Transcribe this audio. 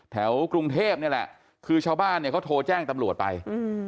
แถวกรุงเทพนี่แหละคือชาวบ้านเนี่ยเขาโทรแจ้งตำรวจไป